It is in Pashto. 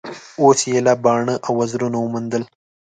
اوس یې ایله باڼه او وزرونه وموندل